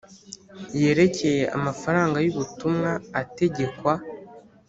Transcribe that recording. yerekeye amafaranga y’ubutumwa ategekwa